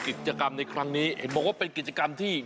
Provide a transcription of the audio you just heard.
กิจกรรมในครั้งนี้เห็นบอกว่าเป็นกิจกรรมที่